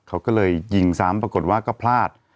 เขาก็เลยยิงซ้ำปรากฏว่าก็พลาด